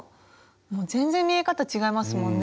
全然見え方違いますもんね。